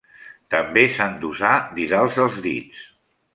També, s'han d'usar didals als dits.